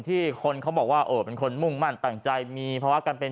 ที่คนเขาบอกว่าโอ้เป็นคนมุ่งมั่นตั้งใจมีภาวะการเป็น